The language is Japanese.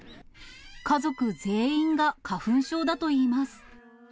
家族全員が花粉症だといいます。